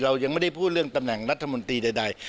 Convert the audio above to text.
ยังไม่ได้พูดเรื่องตำแหน่งรัฐมนตรีใด